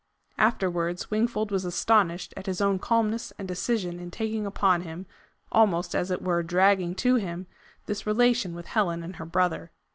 Afterwards, Wingfold was astonished at his own calmness and decision in taking upon him almost, as it were, dragging to him this relation with Helen and her brother.